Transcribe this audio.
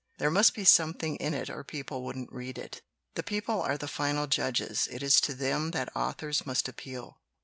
There must be something in it or people wouldn't read it. 4 'The people are the final judges; it is to them that authors must appeal.